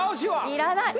要らない。